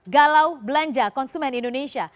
galau belanja konsumen indonesia